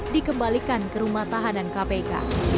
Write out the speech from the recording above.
dikembalikan ke rumah tahanan kpk